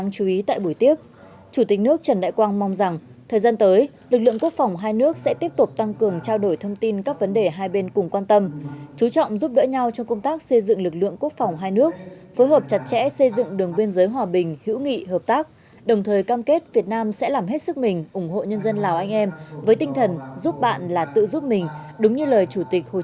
chủ tịch nước trần đại quang đã có buổi tiếp đồng chí thượng tướng trần sạ mòn trân nha lạt